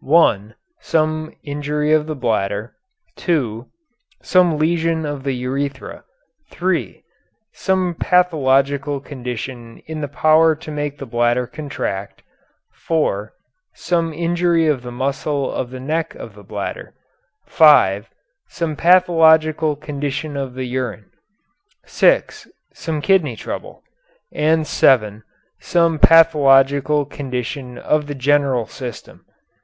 One, some injury of the bladder; two, some lesion of the urethra; three, some pathological condition in the power to make the bladder contract; four, some injury of the muscle of the neck of the bladder; five, some pathological condition of the urine; six, some kidney trouble, and seven, some pathological condition of the general system.